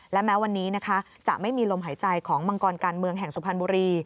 และแม้วันนี้นะคะจะไม่มีลมหายใจของมังกรการเมืองแห่งสุพรรณบุรี